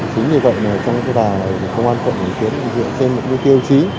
chính vì vậy trong thời gian này công an quận bình kiếm dựa trên những tiêu chí